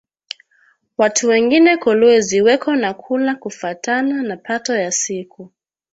Watu wengine kolwezi weko na kula kufatana na pato ya siku